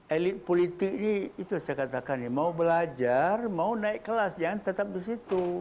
elit politik ini itu saya katakan ya mau belajar mau naik kelas jangan tetap di situ